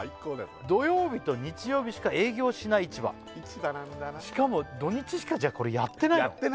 「土曜日と日曜日しか営業しない市場」しかも土・日しかこれやってないの？